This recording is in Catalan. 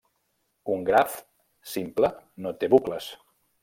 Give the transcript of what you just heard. Un graf simple no té bucles.